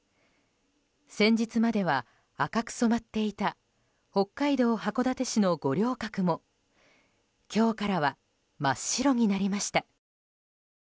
先日までは赤く染まっていた北海道函館市の五稜郭も今日からは真っ白になりました。